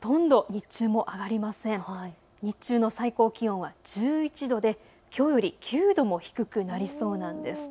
日中の最高気温は１１度できょうより９度も低くなりそうなんです。